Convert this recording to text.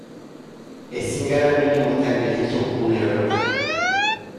Ezin gara minimoetan gelditu une oro.